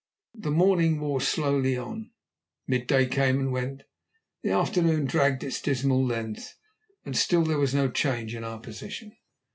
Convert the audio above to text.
The morning wore slowly on, mid day came and went, the afternoon dragged its dismal length, and still there was no change in our position.